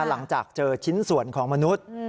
หลังจากเจอชิ้นส่วนของมนุษย์